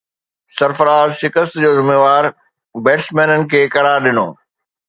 سرفراز شڪست جو ذميوار بيٽسمينن کي قرار ڏنو